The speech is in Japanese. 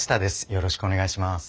よろしくお願いします。